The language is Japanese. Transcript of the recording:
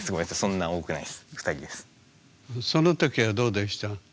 その時はどうでした？